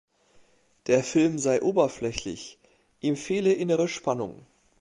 Der Film sei „oberflächlich“, ihm fehle „innere Spannung“.